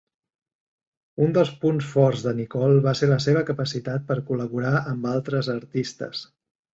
Un dels punts forts de Nichol va ser la seva capacitat per col·laborar amb altres artistes.